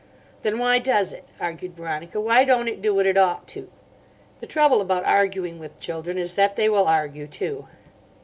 "Then why does it?" argued Veronica. "Why don't it do what it ought to?" The trouble about arguing with children is that they will argue too.